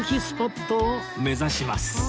スポットを目指します